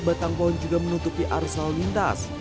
batang pohon juga menutupi arsal lintas